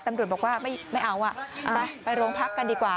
ตำรวจบอกว่าไม่เอาไปโรงพักกันดีกว่า